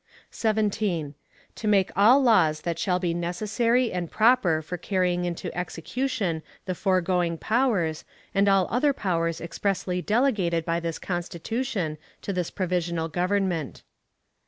17. To make all laws that shall be necessary and proper for carrying into execution the foregoing powers and all other powers expressly delegated by this Constitution to this provisional Government.